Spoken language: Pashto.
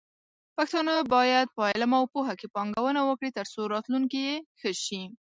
پښتانه بايد په علم او پوهه کې پانګونه وکړي، ترڅو راتلونکې يې ښه شي.